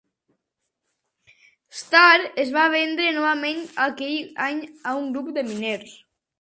Star es va vendre novament aquell any a un grup de miners.